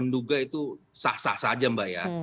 menduga itu sah sah saja mbak ya